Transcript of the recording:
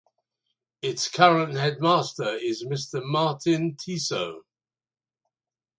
Its current Headmaster is Mr Martin Tissot.